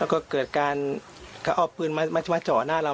แล้วก็เกิดการเขาเอาปืนมาเจาะหน้าเรา